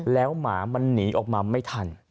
แล้วหมามันหนีออกมาไม่ทัน